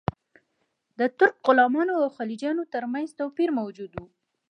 د ترک غلامانو او خلجیانو ترمنځ توپیر موجود و.